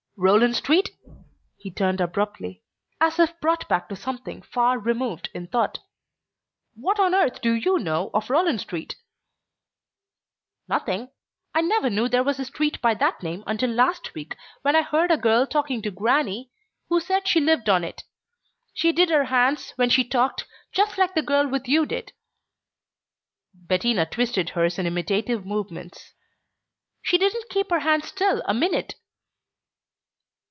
"Rowland Street?" He turned abruptly, as if brought back to something far removed in thought. "What on earth do you know of Rowland Street?" "Nothing I never knew there was a street by that name until last week when I heard a girl talking to grannie, who said she lived on it. She did her hands, when she talked, just like the girl with you did." Bettina twisted hers in imitative movements. "She didn't keep her hands still a minute."